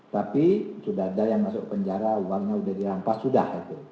tapi sudah ada yang masuk penjara uangnya sudah dirampas sudah